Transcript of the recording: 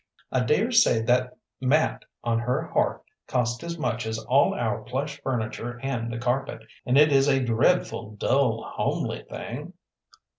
I dare say that mat on her hearth cost as much as all our plush furniture and the carpet, and it is a dreadful dull, homely thing."